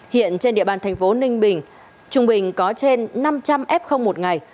hiện trên địa bàn tp ninh bình trung bình có trên năm trăm linh f một ngày